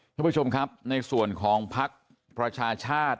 ท่านผู้ชมครับในส่วนของพักประชาชาติ